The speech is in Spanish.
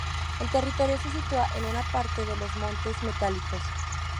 El territorio se sitúa en una parte de los Montes Metálicos.